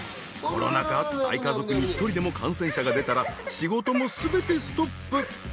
コロナ禍大家族に１人でも感染者が出たら仕事も全てストップ！